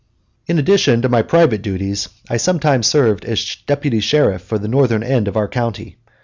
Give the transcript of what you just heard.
In addition to my private duties, I sometimes served as deputy sheriff for the northern end of our county.